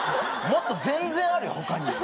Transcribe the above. もっと全然あるよ他に。